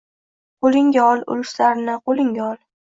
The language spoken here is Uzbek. Qoʼlingga ol, uluslarni qoʼlingga ol.